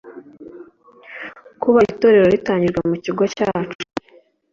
kuba Itorero ritangijwe mu kigo cyacu